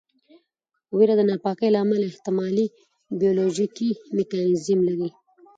ویره د ناپاکۍ له امله احتمالي بیولوژیکي میکانیزم لري.